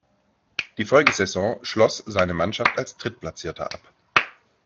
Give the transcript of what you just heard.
Die Folgesaison schloss seine Mannschaft als Drittplatzierter ab.